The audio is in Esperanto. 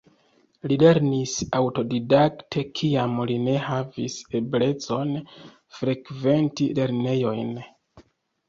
Li lernis aŭtodidakte, kiam li ne havis eblecon frekventi lernejojn.